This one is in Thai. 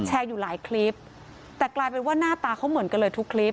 แต่กลายเป็นว่าหน้าตาเขาเหมือนกันเลยทุกคลิปแต่กลายเป็นว่าหน้าตาเขาเหมือนกันเลยทุกคลิป